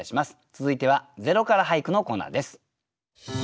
続いては「０から俳句」のコーナーです。